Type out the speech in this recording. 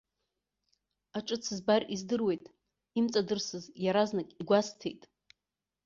Аҿыц збар издыруеит, имҵадырсыз иаразнак игәасҭеит.